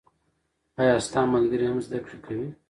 آیا ستا ملګري هم زده کړې کوي؟